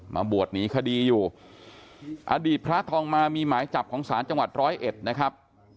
มาบวชหนีคดีอยู่อดีตพระทองมามีหมายจับของศาลจังหวัดร้อยเอ็ดนะครับ